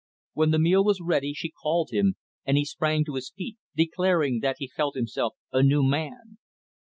When the meal was ready, she called him, and he sprang to his feet, declaring that he felt himself a new man.